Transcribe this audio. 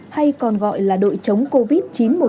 hay còn gọi là đội chống covid chín trăm một mươi chín